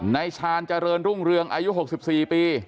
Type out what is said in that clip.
ชาญเจริญรุ่งเรืองอายุ๖๔ปี